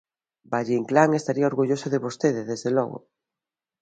Valle-Inclán estaría orgulloso de vostede, desde logo.